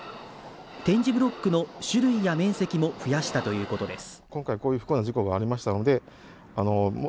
点字ブロックの種類や面積も増やしたということです。